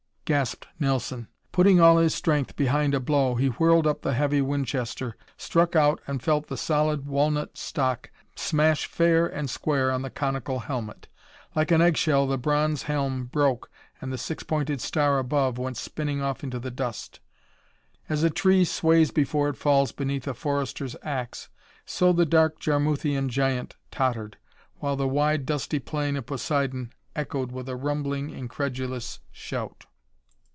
gasped Nelson. Putting all his strength behind a blow he whirled up the heavy Winchester, struck out and felt the solid walnut stock smash fair and square on the conical helmet. Like an eggshell the bronze helm broke and the six pointed star above went spinning off into the dust. As a tree sways before it falls beneath a forester's ax, so the dark Jarmuthian giant tottered, while the wide dusty plain of Poseidon echoed with a rumbling, incredulous shout.